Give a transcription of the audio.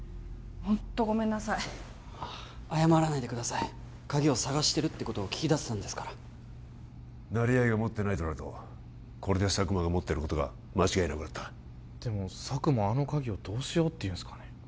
ホントごめんなさい謝らないでください鍵を探してるってことを聞き出せたんですから成合が持ってないとなるとこれで佐久間が持ってることが間違いなくなったでも佐久間あの鍵をどうしようっていうんですかね